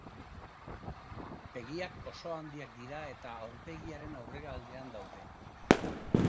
Begiak oso handiak dira eta aurpegiaren aurrealdean daude.